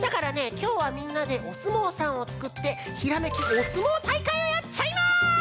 きょうはみんなでおすもうさんをつくって「ひらめきおすもうたいかい！」をやっちゃいます！